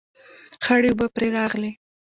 خړې اوبه پرې راغلې